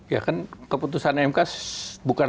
ya kan keputusan mk bukan